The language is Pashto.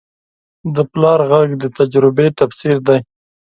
د پلار غږ د تجربې تفسیر دی